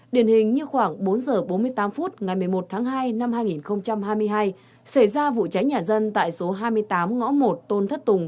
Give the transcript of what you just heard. điển hình như khoảng bốn h bốn mươi tám phút ngày một mươi một tháng hai năm hai nghìn hai mươi hai xảy ra vụ cháy nhà dân tại số hai mươi tám ngõ một tôn thất tùng